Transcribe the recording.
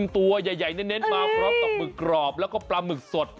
ตัวใหญ่เน้นมาพร้อมกับหมึกกรอบแล้วก็ปลาหมึกสด